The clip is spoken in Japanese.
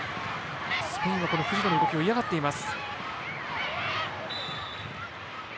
スペインはこの藤野の動きを嫌がっています。